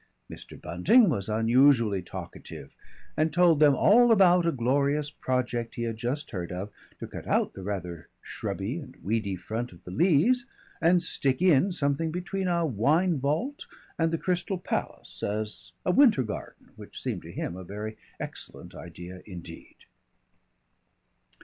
Mr. Bunting was unusually talkative and told them all about a glorious project he had just heard of, to cut out the rather shrubby and weedy front of the Leas and stick in something between a wine vault and the Crystal Palace as a Winter Garden which seemed to him a very excellent idea indeed.